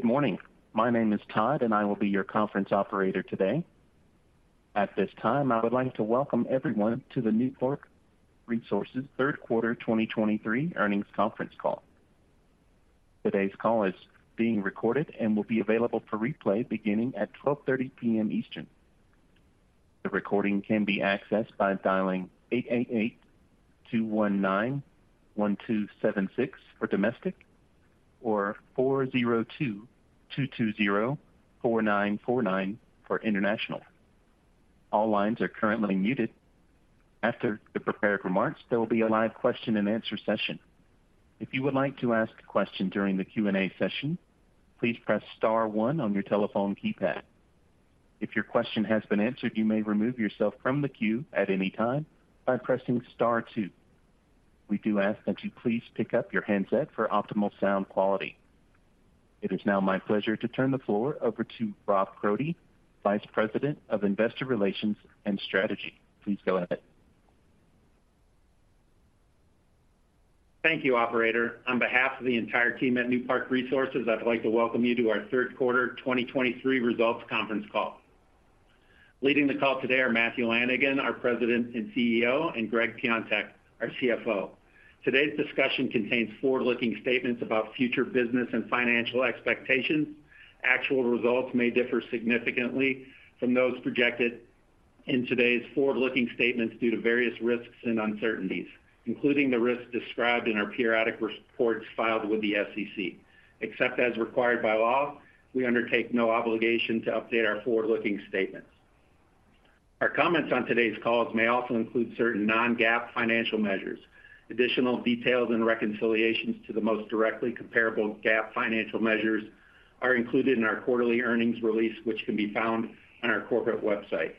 Good morning. My name is Todd, and I will be your conference operator today. At this time, I would like to welcome everyone to the Newpark Resources third quarter 2023 earnings conference call. Today's call is being recorded and will be available for replay beginning at 12:30 P.M. Eastern. The recording can be accessed by dialing eight eight eight-two one nine-one two seven six for domestic, or four zero two-two two zero-four nine four nine for international. All lines are currently muted. After the prepared remarks, there will be a live Q&A. If you would like to ask a question during the Q&A session, please press star one on your telephone keypad. If your question has been answered, you may remove yourself from the queue at any time by pressing star two. We do ask that you please pick up your handset for optimal sound quality. It is now my pleasure to turn the floor over to Rob Brody, Vice President of Investor Relations and Strategy. Please go ahead. Thank you, operator. On behalf of the entire team at Newpark Resources, I'd like to welcome you to our third quarter 2023 results conference call. Leading the call today are Matthew Lanigan, our President and CEO, and Gregg Piontek, our CFO. Today's discussion contains forward-looking statements about future business and financial expectations. Actual results may differ significantly from those projected in today's forward-looking statements due to various risks and uncertainties, including the risks described in our periodic reports filed with the SEC. Except as required by law, we undertake no obligation to update our forward-looking statements. Our comments on today's calls may also include certain non-GAAP financial measures. Additional details and reconciliations to the most directly comparable GAAP financial measures are included in our quarterly earnings release, which can be found on our corporate website.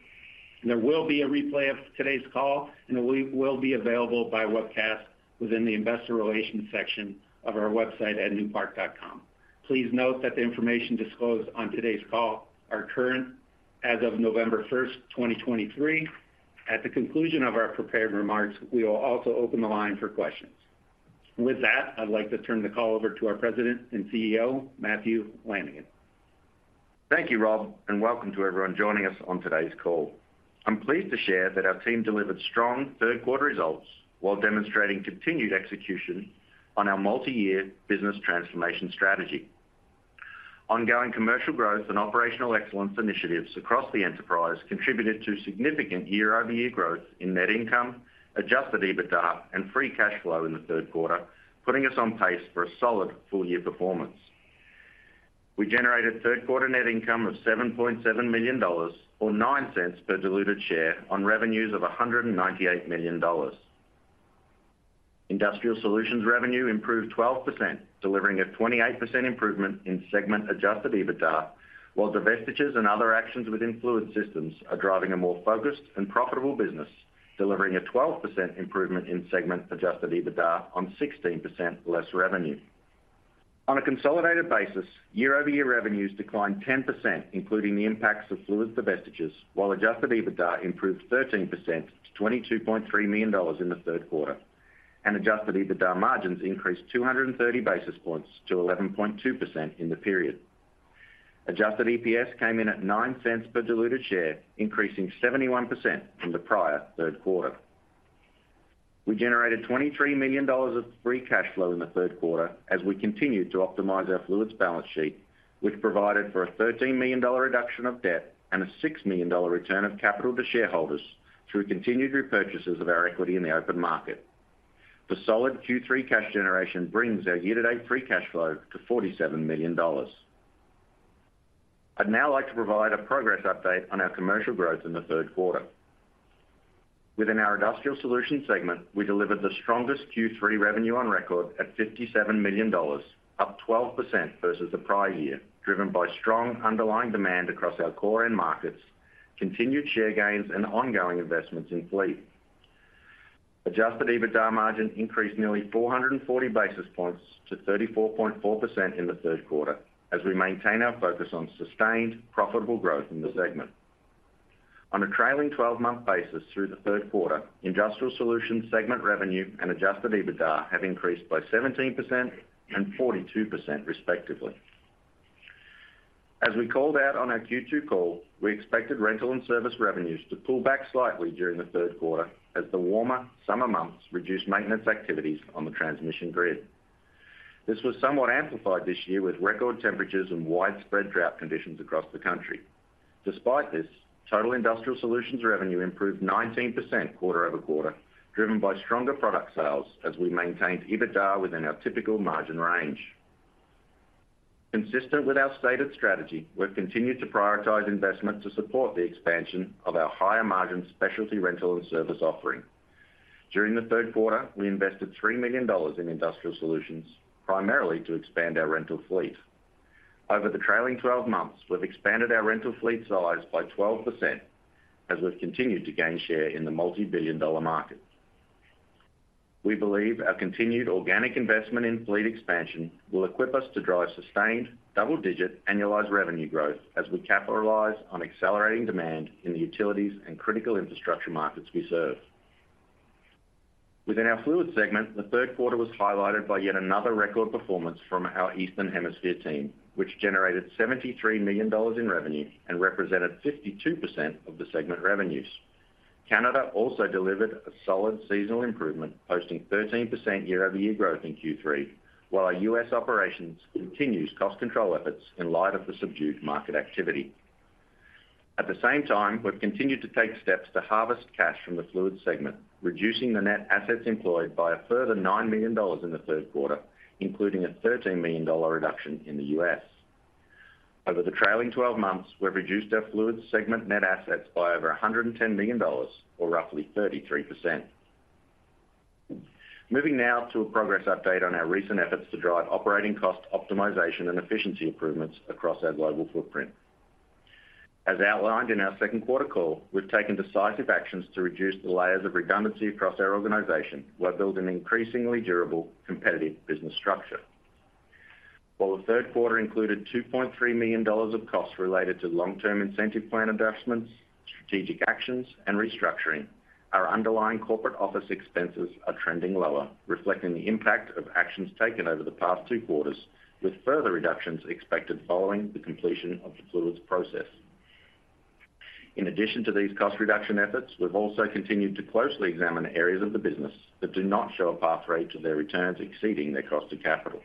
There will be a replay of today's call, and it will be available by webcast within the investor relations section of our website at newpark.com. Please note that the information disclosed on today's call are current as of November 1st, 2023. At the conclusion of our prepared remarks, we will also open the line for questions. With that, I'd like to turn the call over to our President and CEO, Matthew Lanigan. Thank you, Rob, and welcome to everyone joining us on today's call. I'm pleased to share that our team delivered strong third quarter results while demonstrating continued execution on our multi-year business transformation strategy. Ongoing commercial growth and operational excellence initiatives across the enterprise contributed to significant year-over-year growth in net income, adjusted EBITDA, and Free Cash Flow in the third quarter, putting us on pace for a solid full-year performance. We generated third quarter net income of $7.7 million, or $0.09 per diluted share on revenues of $198 million. Industrial Solutions revenue improved 12%, delivering a 28% improvement in segment adjusted EBITDA, while divestitures and other actions within Fluid Systems are driving a more focused and profitable business, delivering a 12% improvement in segment adjusted EBITDA on 16% less revenue. On a consolidated basis, year-over-year revenues declined 10%, including the impacts of Fluids divestitures, while adjusted EBITDA improved 13%-$22.3 million in the third quarter, and adjusted EBITDA margins increased 230 basis points to 11.2 in the period. Adjusted EPS came in at $0.09 per diluted share, increasing 71% from the prior third quarter. We generated $23 million of free cash flow in the third quarter as we continued to optimize our Fluids balance sheet, which provided for a $13 million reduction of debt and a $6 million return of capital to shareholders through continued repurchases of our equity in the open market. The solid Q3 cash generation brings our year-to-date free cash flow to $47 million. I'd now like to provide a progress update on our commercial growth in the third quarter. Within our Industrial Solutions segment, we delivered the strongest Q3 revenue on record at $57 million, up 12% versus the prior year, driven by strong underlying demand across our core end markets, continued share gains and ongoing investments in fleet. Adjusted EBITDA margin increased nearly 440 basis points to 34.4% in the third quarter, as we maintain our focus on sustained, profitable growth in the segment. On a trailing twelve-month basis through the third quarter, Industrial Solutions segment revenue and adjusted EBITDA have increased by 17% and 42%, respectively. As we called out on our Q2 call, we expected rental and service revenues to pull back slightly during the third quarter as the warmer summer months reduced maintenance activities on the transmission grid. This was somewhat amplified this year with record temperatures and widespread drought conditions across the country. Despite this, total Industrial Solutions revenue improved 19% quarter-over-quarter, driven by stronger product sales as we maintained EBITDA within our typical margin range. Consistent with our stated strategy, we've continued to prioritize investment to support the expansion of our higher-margin specialty rental and service offering. During the third quarter, we invested $3 million in Industrial Solutions, primarily to expand our rental fleet. Over the trailing twelve months, we've expanded our rental fleet size by 12%, as we've continued to gain share in the multi-billion-dollar market. We believe our continued organic investment in fleet expansion will equip us to drive sustained double-digit annualized revenue growth as we capitalize on accelerating demand in the utilities and critical infrastructure markets we serve... Within our Fluids segment, the third quarter was highlighted by yet another record performance from our Eastern Hemisphere team, which generated $73 million in revenue and represented 52% of the segment revenues. Canada also delivered a solid seasonal improvement, posting 13% year-over-year growth in Q3, while our U.S. operations continues cost control efforts in light of the subdued market activity. At the same time, we've continued to take steps to harvest cash from the Fluids segment, reducing the net assets employed by a further $9 million in the third quarter, including a $13 million reduction in the U.S. Over the trailing twelve months, we've reduced our Fluids segment net assets by over $110 million, or roughly 33%. Moving now to a progress update on our recent efforts to drive operating cost optimization and efficiency improvements across our global footprint. As outlined in our second quarter call, we've taken decisive actions to reduce the layers of redundancy across our organization, while building an increasingly durable, competitive business structure. While the third quarter included $2.3 million of costs related to long-term incentive plan adjustments, strategic actions, and restructuring, our underlying corporate office expenses are trending lower, reflecting the impact of actions taken over the past two quarters, with further reductions expected following the completion of the Fluids process. In addition to these cost reduction efforts, we've also continued to closely examine areas of the business that do not show a pathway to their returns exceeding their cost of capital.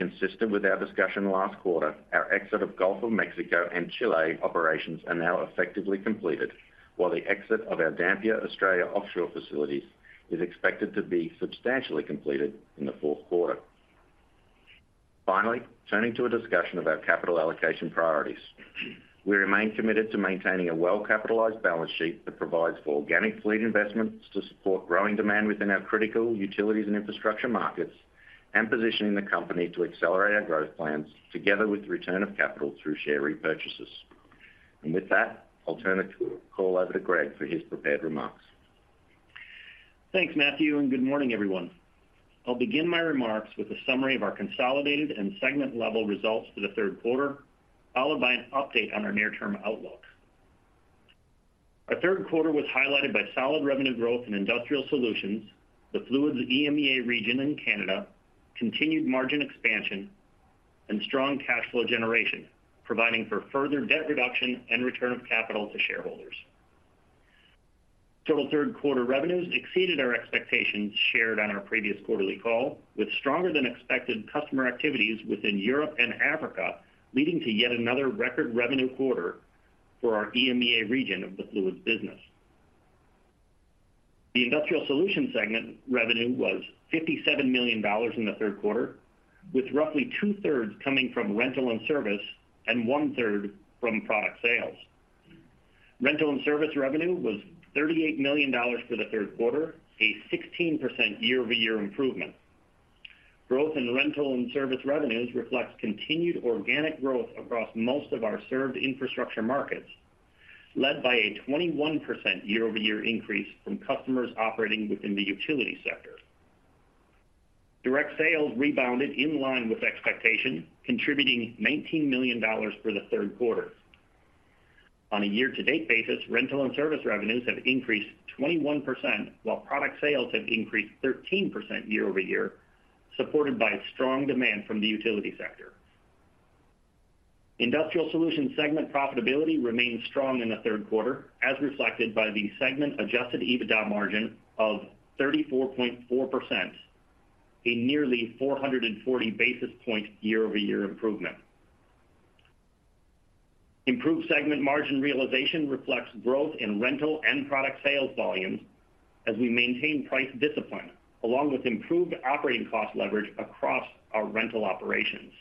Consistent with our discussion last quarter, our exit of Gulf of Mexico and Chile operations are now effectively completed, while the exit of our Dampier, Australia, offshore facilities is expected to be substantially completed in the fourth quarter. Finally, turning to a discussion of our capital allocation priorities. We remain committed to maintaining a well-capitalized balance sheet that provides for organic fleet investments to support growing demand within our critical utilities and infrastructure markets, and positioning the company to accelerate our growth plans together with return of capital through share repurchases. With that, I'll turn the call over to Gregg for his prepared remarks. Thanks, Matthew, and good morning, everyone. I'll begin my remarks with a summary of our consolidated and segment-level results for the third quarter, followed by an update on our near-term outlook. Our third quarter was highlighted by solid revenue growth in Industrial Solutions, the Fluids EM region in Canada, continued margin expansion, and strong cash flow generation, providing for further debt reduction and return of capital to shareholders. Total third quarter revenues exceeded our expectations shared on our previous quarterly call, with stronger than expected customer activities within Europe and Africa, leading to yet another record revenue quarter for our EMEA region of the Fluids business. The Industrial Solutions segment revenue was $57 million in the third quarter, with roughly two-thirds coming from rental and service, and one-third from product sales. Rental and service revenue was $38 million for the third quarter, a 16% year-over-year improvement. Growth in rental and service revenues reflects continued organic growth across most of our served infrastructure markets, led by a 21% year-over-year increase from customers operating within the utility sector. Direct sales rebounded in line with expectation, contributing $19 million for the third quarter. On a year-to-date basis, rental and service revenues have increased 21%, while product sales have increased 13% year-over-year, supported by strong demand from the utility sector. Industrial Solutions segment profitability remained strong in the third quarter, as reflected by the segment adjusted EBITDA margin of 34.4%, a nearly 440 basis points year-over-year improvement. Improved segment margin realization reflects growth in rental and product sales volumes as we maintain price discipline, along with improved operating cost leverage across our rental operations.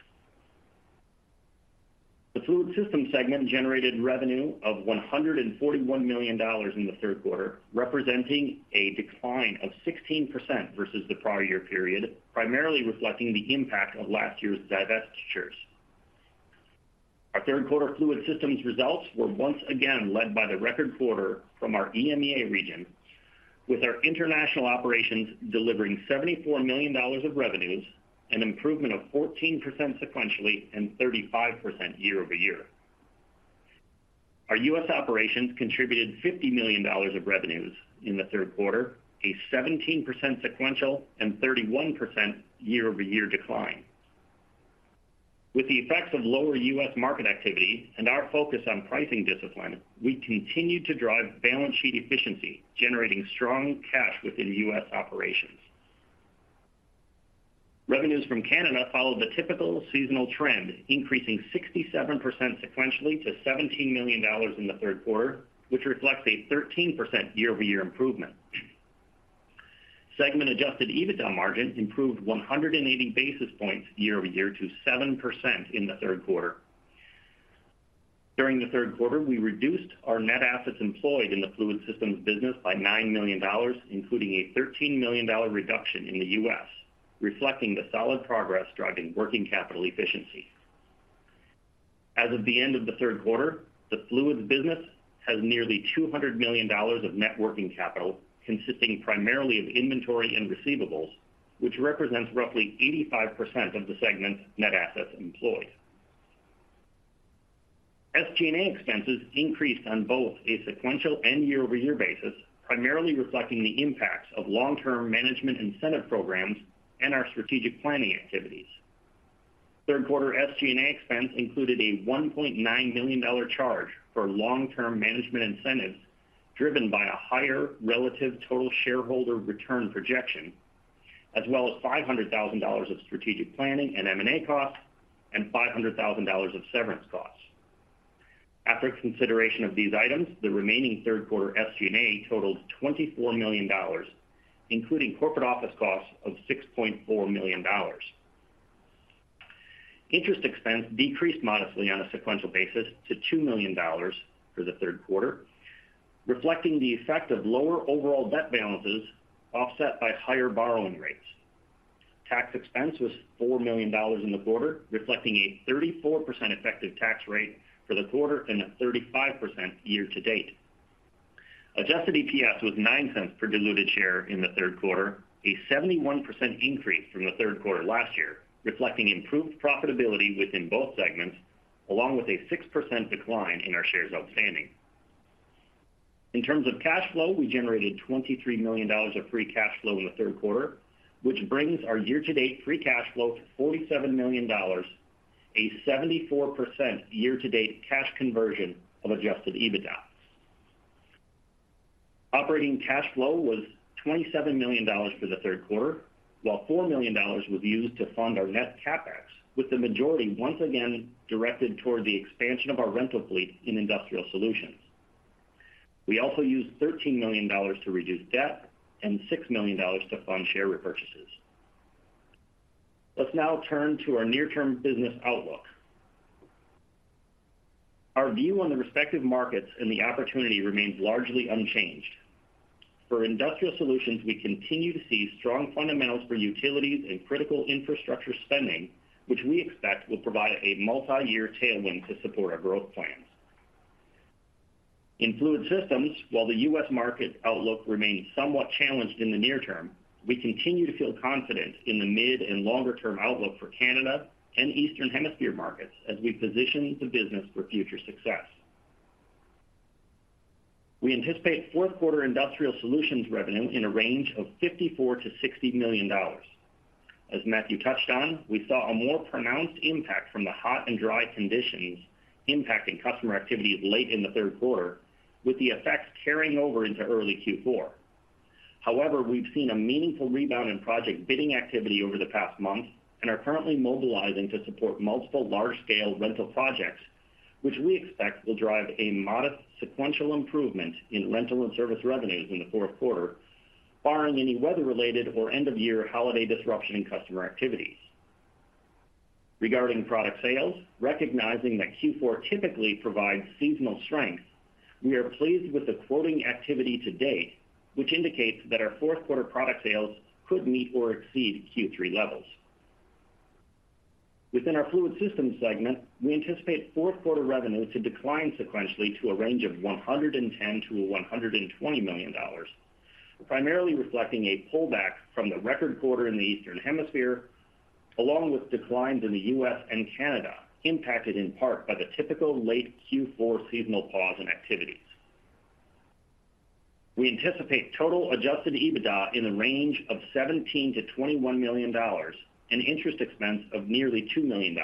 The Fluid Systems segment generated revenue of $141 million in the third quarter, representing a decline of 16% versus the prior year period, primarily reflecting the impact of last year's divestitures. Our third quarter Fluid Systems results were once again led by the record quarter from our EMEA region, with our international operations delivering $74 million of revenues, an improvement of 14% sequentially, and 35% year-over-year. Our U.S. operations contributed $50 million of revenues in the third quarter, a 17% sequential and 31% year-over-year decline. With the effects of lower U.S. market activity and our focus on pricing discipline, we continued to drive balance sheet efficiency, generating strong cash within U.S. operations. Revenues from Canada followed the typical seasonal trend, increasing 67% sequentially to $17 million in the third quarter, which reflects a 13% year-over-year improvement. Segment adjusted EBITDA margin improved 180 basis points year-over-year to 7% in the third quarter. During the third quarter, we reduced our net assets employed in the Fluid Systems business by $9 million, including a $13 million reduction in the U.S., reflecting the solid progress driving working capital efficiency. As of the end of the third quarter, the Fluids business has nearly $200 million of net working capital, consisting primarily of inventory and receivables, which represents roughly 85% of the segment's net assets employed. SG&A expenses increased on both a sequential and year-over-year basis, primarily reflecting the impacts of long-term management incentive programs and our strategic planning activities. Third quarter SG&A expense included a $1.9 million charge for long-term management incentives, driven by a higher relative total shareholder return projection, as well as $500,000 of strategic planning and M&A costs, and $500,000 of severance costs. After consideration of these items, the remaining third quarter SG&A totaled $24 million, including corporate office costs of $6.4 million. Interest expense decreased modestly on a sequential basis to $2 million for the third quarter, reflecting the effect of lower overall debt balances offset by higher borrowing rates. Tax expense was $4 million in the quarter, reflecting a 34% effective tax rate for the quarter and a 35% year-to-date. Adjusted EPS was $0.09 per diluted share in the third quarter, a 71% increase from the third quarter last year, reflecting improved profitability within both segments, along with a 6% decline in our shares outstanding. In terms of cash flow, we generated $23 million of free cash flow in the third quarter, which brings our year-to-date free cash flow to $47 million, a 74% year-to-date cash conversion of adjusted EBITDA. Operating cash flow was $27 million for the third quarter, while $4 million was used to fund our net CapEx, with the majority once again directed toward the expansion of our rental fleet in Industrial Solutions. We also used $13 million to reduce debt and $6 million to fund share repurchases. Let's now turn to our near-term business outlook. Our view on the respective markets and the opportunity remains largely unchanged. For Industrial Solutions, we continue to see strong fundamentals for utilities and critical infrastructure spending, which we expect will provide a multiyear tailwind to support our growth plans. In Fluid Systems, while the U.S. market outlook remains somewhat challenged in the near term, we continue to feel confident in the mid and longer-term outlook for Canada and Eastern Hemisphere markets as we position the business for future success. We anticipate fourth quarter Industrial Solutions revenue in a range of $54 million-$60 million. As Matthew touched on, we saw a more pronounced impact from the hot and dry conditions impacting customer activities late in the third quarter, with the effects carrying over into early Q4. However, we've seen a meaningful rebound in project bidding activity over the past month and are currently mobilizing to support multiple large-scale rental projects, which we expect will drive a modest sequential improvement in rental and service revenues in the fourth quarter, barring any weather-related or end-of-year holiday disruption in customer activities. Regarding product sales, recognizing that Q4 typically provides seasonal strength, we are pleased with the quoting activity to date, which indicates that our fourth quarter product sales could meet or exceed Q3 levels. Within our Fluid Systems segment, we anticipate fourth quarter revenue to decline sequentially to a range of $110 million-$120 million, primarily reflecting a pullback from the record quarter in the Eastern Hemisphere, along with declines in the U.S. and Canada, impacted in part by the typical late Q4 seasonal pause in activities. We anticipate total adjusted EBITDA in the range of $17 million-$21 million and interest expense of nearly $2 million,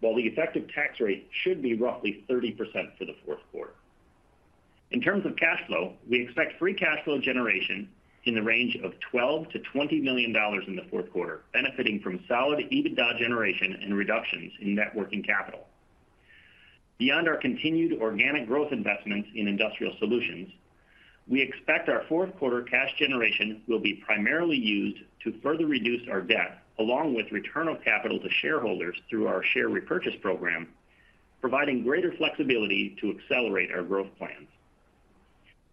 while the effective tax rate should be roughly 30% for the fourth quarter. In terms of cash flow, we expect Free Cash Flow generation in the range of $12 million-$20 million in the fourth quarter, benefiting from solid EBITDA generation and reductions in Net Working Capital. Beyond our continued organic growth investments in Industrial Solutions, we expect our fourth quarter cash generation will be primarily used to further reduce our debt, along with return of capital to shareholders through our share repurchase program, providing greater flexibility to accelerate our growth plans.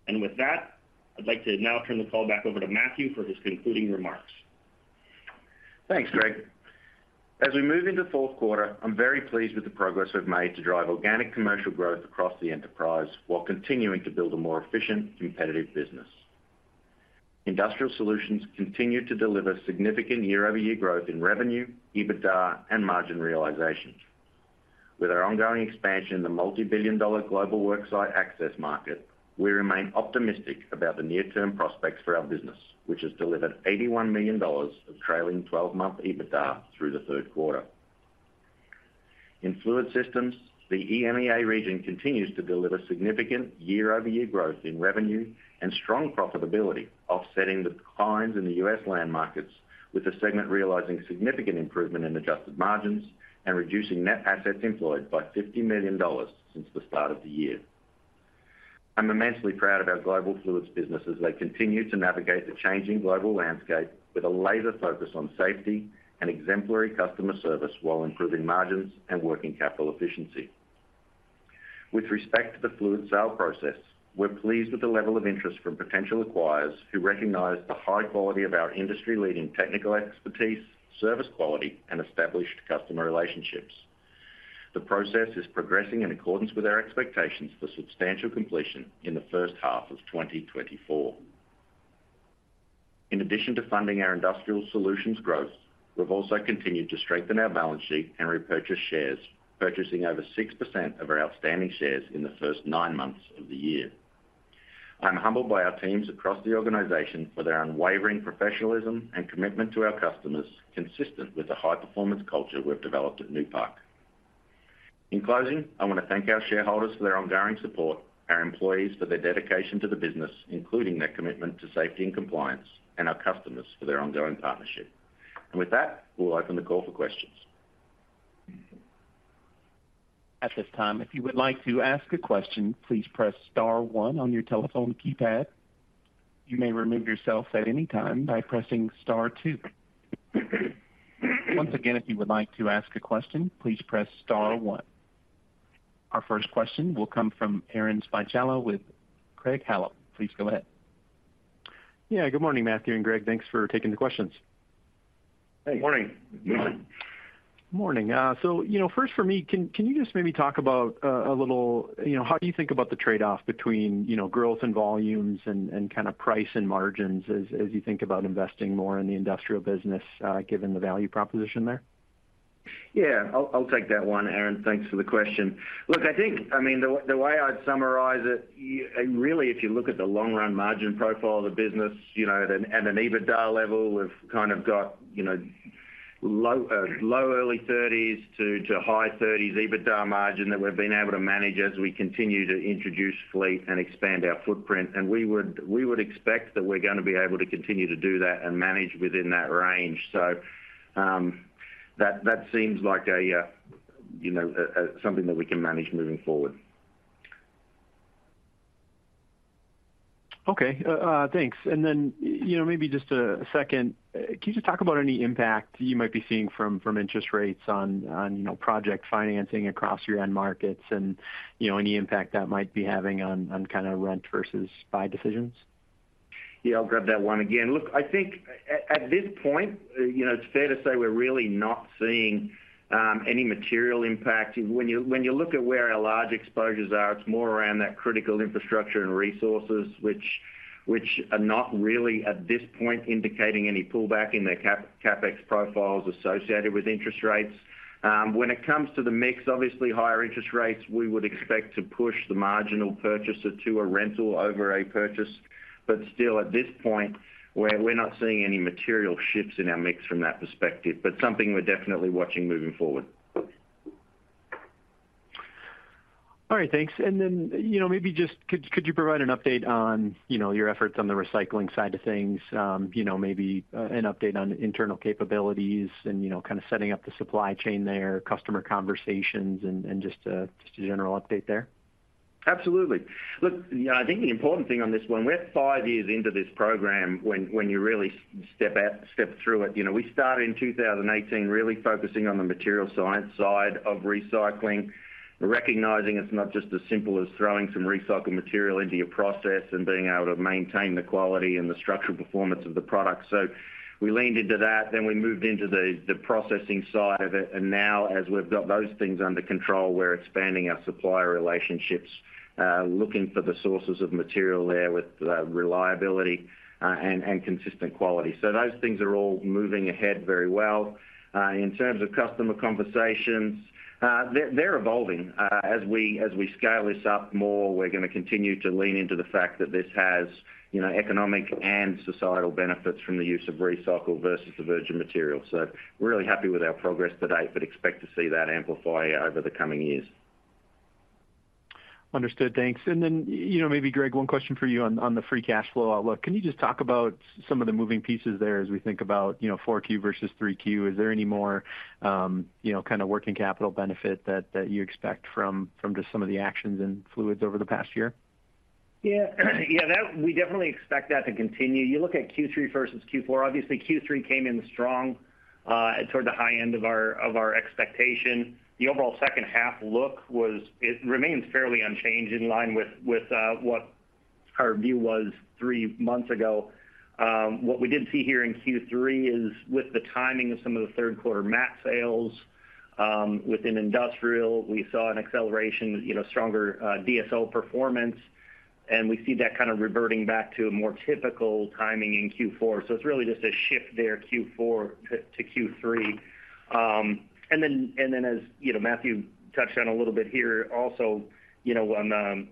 And with that, I'd like to now turn the call back over to Matthew for his concluding remarks. Thanks, Greg. As we move into the fourth quarter, I'm very pleased with the progress we've made to drive organic commercial growth across the enterprise, while continuing to build a more efficient, competitive business. Industrial Solutions continued to deliver significant year-over-year growth in revenue, EBITDA, and margin realizations. With our ongoing expansion in the multibillion-dollar global worksite access market, we remain optimistic about the near-term prospects for our business, which has delivered $81 million of trailing twelve-month EBITDA through the third quarter. In Fluid Systems, the EMEA region continues to deliver significant year-over-year growth in revenue and strong profitability, offsetting the declines in the U.S. land markets, with the segment realizing significant improvement in adjusted margins and reducing net assets employed by $50 million since the start of the year. I'm immensely proud of our global Fluids business as they continue to navigate the changing global landscape with a laser focus on safety and exemplary customer service, while improving margins and working capital efficiency. With respect to the Fluid sale process, we're pleased with the level of interest from potential acquirers who recognize the high quality of our industry-leading technical expertise, service quality, and established customer relationships. The process is progressing in accordance with our expectations for substantial completion in the first half of 2024....In addition to funding our industrial solutions growth, we've also continued to strengthen our balance sheet and repurchase shares, purchasing over 6% of our outstanding shares in the first nine months of the year. I'm humbled by our teams across the organization for their unwavering professionalism and commitment to our customers, consistent with the high-performance culture we've developed at Newpark. In closing, I wanna thank our shareholders for their ongoing support, our employees for their dedication to the business, including their commitment to safety and compliance, and our customers for their ongoing partnership. With that, we'll open the call for questions. At this time, if you would like to ask a question, please press star one on your telephone keypad. You may remove yourself at any time by pressing star two. Once again, if you would like to ask a question, please press star one. Our first question will come from Aaron Spychalla with Craig-Hallum. Please go ahead. Yeah, good morning, Matthew and Greg. Thanks for taking the questions. Hey. Morning. Morning. So, you know, first for me, can you just maybe talk about a little, you know, how do you think about the trade-off between, you know, growth and volumes and kinda price and margins as you think about investing more in the industrial business, given the value proposition there? Yeah, I'll take that one, Aaron. Thanks for the question. Look, I think, I mean, the way I'd summarize it, really, if you look at the long-run margin profile of the business, you know, at an EBITDA level, we've kind of got, you know, low early 30s% to high 30s% EBITDA margin that we've been able to manage as we continue to introduce fleet and expand our footprint. And we would expect that we're gonna be able to continue to do that and manage within that range. So, that seems like a, you know, a something that we can manage moving forward. Okay. Thanks. And then, you know, maybe just a second, can you just talk about any impact you might be seeing from interest rates on, you know, project financing across your end markets and, you know, any impact that might be having on kinda rent versus buy decisions? Yeah, I'll grab that one again. Look, I think at this point, you know, it's fair to say we're really not seeing any material impact. When you, when you look at where our large exposures are, it's more around that critical infrastructure and resources, which are not really, at this point, indicating any pullback in their CapEx profiles associated with interest rates. When it comes to the mix, obviously, higher interest rates, we would expect to push the marginal purchaser to a rental over a purchase. But still, at this point, we're not seeing any material shifts in our mix from that perspective, but something we're definitely watching moving forward. All right, thanks. And then, you know, maybe just could you provide an update on, you know, your efforts on the recycling side of things? You know, maybe an update on internal capabilities and, you know, kinda setting up the supply chain there, customer conversations, and just a general update there. Absolutely. Look, yeah, I think the important thing on this one, we're five years into this program, when you really step through it. You know, we started in 2018, really focusing on the material science side of recycling, recognizing it's not just as simple as throwing some recycled material into your process and being able to maintain the quality and the structural performance of the product. So we leaned into that, then we moved into the processing side of it, and now, as we've got those things under control, we're expanding our supplier relationships, looking for the sources of material there with reliability and consistent quality. So those things are all moving ahead very well. In terms of customer conversations, they're evolving. As we scale this up more, we're gonna continue to lean into the fact that this has, you know, economic and societal benefits from the use of recycled versus the virgin material. So we're really happy with our progress to date, but expect to see that amplify over the coming years. Understood. Thanks. And then, you know, maybe, Greg, one question for you on, on the free cash flow outlook. Can you just talk about some of the moving pieces there as we think about, you know, 4Q versus 3Q? Is there any more, you know, kinda working capital benefit that, that you expect from, from just some of the actions in fluids over the past year? Yeah. Yeah, that we definitely expect that to continue. You look at Q3 versus Q4, obviously, Q3 came in strong, toward the high end of our, of our expectation. The overall second half look was. It remains fairly unchanged, in line with, with, what our view was three months ago. What we did see here in Q3 is with the timing of some of the third quarter mat sales, within industrial, we saw an acceleration, you know, stronger, DSO performance, and we see that kind of reverting back to a more typical timing in Q4. So it's really just a shift there, Q4 to, to Q3. And then as you know, Matthew touched on a little bit here also, you know, on the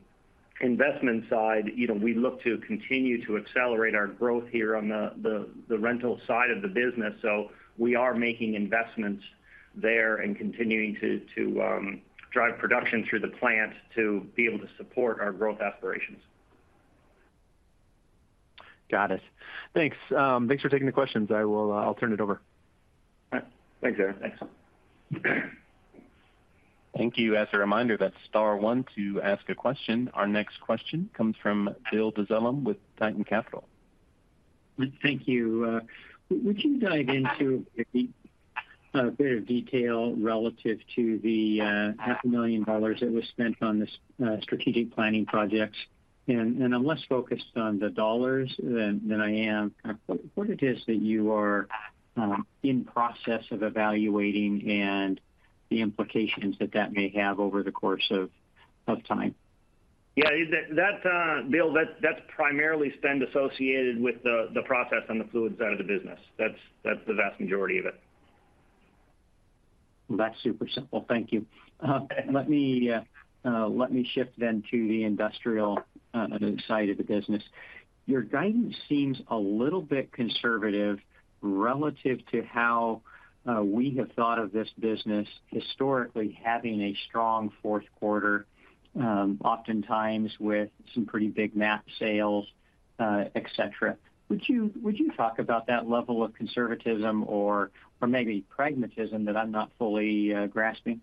investment side, you know, we look to continue to accelerate our growth here on the rental side of the business. So we are making investments there and continuing to drive production through the plant to be able to support our growth aspirations. Got it. Thanks. Thanks for taking the questions. I will, I'll turn it over. All right. Thanks, Aaron. Thanks. Thank you. As a reminder, that's star one to ask a question. Our next question comes from Bill Dezellem with Tieton Capital. Thank you. Would you dive into a bit, a bit of detail relative to the $500,000 that was spent on this strategic planning projects? And I'm less focused on the dollars than I am, kind of, what it is that you are in process of evaluating and the implications that that may have over the course of time?... Yeah, that, Bill, that's primarily spend associated with the process on the fluids side of the business. That's the vast majority of it. Well, that's super simple. Thank you. Let me shift then to the industrial side of the business. Your guidance seems a little bit conservative relative to how we have thought of this business historically, having a strong fourth quarter, oftentimes with some pretty big mat sales, et cetera. Would you talk about that level of conservatism or maybe pragmatism that I'm not fully grasping?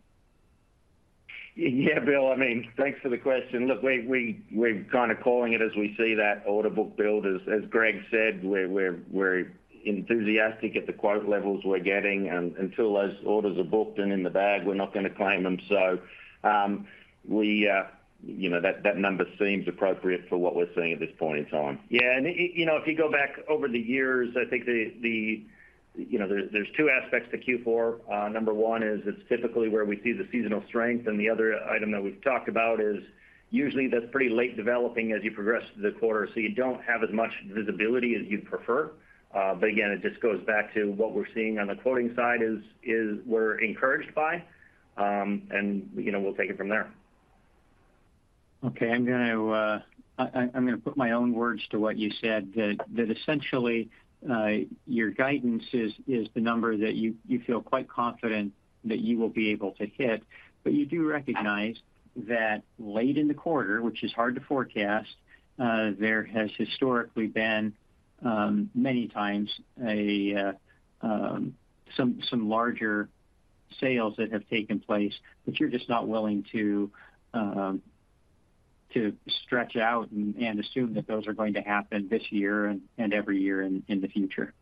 Yeah, Bill, I mean, thanks for the question. Look, we're kind of calling it as we see that order book build. As Greg said, we're enthusiastic at the quote levels we're getting, and until those orders are booked and in the bag, we're not gonna claim them. So, you know, that number seems appropriate for what we're seeing at this point in time. Yeah, and you know, if you go back over the years, I think you know, there's two aspects to Q4. Number one is it's typically where we see the seasonal strength, and the other item that we've talked about is usually that's pretty late developing as you progress through the quarter, so you don't have as much visibility as you'd prefer. But again, it just goes back to what we're seeing on the quoting side is we're encouraged by, and, you know, we'll take it from there. Okay, I'm gonna put my own words to what you said, that essentially your guidance is the number that you feel quite confident that you will be able to hit. But you do recognize that late in the quarter, which is hard to forecast, there has historically been many times some larger sales that have taken place, but you're just not willing to stretch out and assume that those are going to happen this year and every year in the future.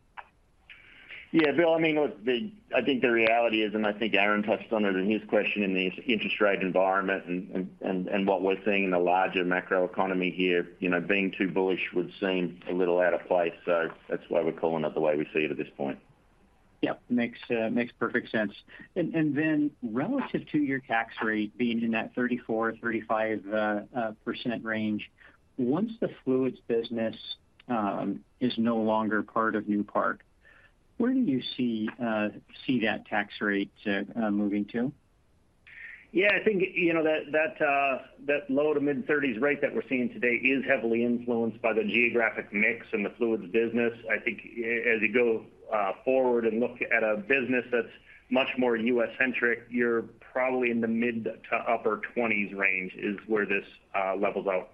Yeah, Bill, I mean, look, the... I think the reality is, and I think Aaron touched on it in his question, in the interest rate environment and what we're seeing in the larger macroeconomy here, you know, being too bullish would seem a little out of place. So that's why we're calling it the way we see it at this point. Yep, makes perfect sense. And then relative to your tax rate being in that 34%-35% range, once the fluids business is no longer part of Newpark, where do you see that tax rate moving to? Yeah, I think, you know, that, that, that low- to mid-30s rate that we're seeing today is heavily influenced by the geographic mix in the fluids business. I think as you go forward and look at a business that's much more U.S.-centric, you're probably in the mid- to upper-20s range is where this levels out.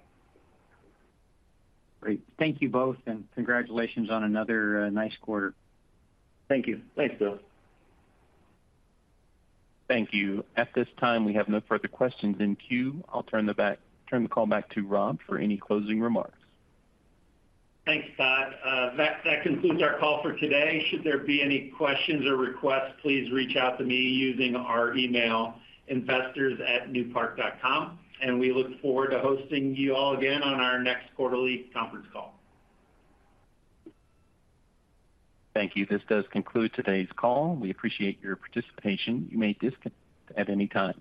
Great. Thank you both, and congratulations on another nice quarter. Thank you. Thanks, Bill. Thank you. At this time, we have no further questions in queue. I'll turn the call back to Rob for any closing remarks. Thanks, Todd. That concludes our call for today. Should there be any questions or requests, please reach out to me using our email, investors@newpark.com, and we look forward to hosting you all again on our next quarterly conference call. Thank you. This does conclude today's call. We appreciate your participation. You may disconnect at any time.